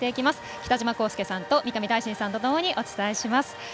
北島康介さんと三上大伸さんとともにお伝えします。